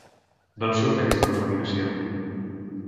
D'on surt aquesta denominació?